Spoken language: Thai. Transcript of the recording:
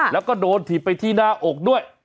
แล้วก็โดนถีบไปที่หน้าอกด้วย